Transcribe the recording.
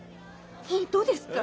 本当ですか！